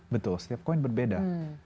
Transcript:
betul setiap koin berbeda